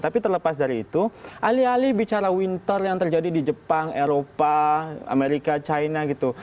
tapi terlepas dari itu alih alih bicara winter yang terjadi di jepang eropa amerika china gitu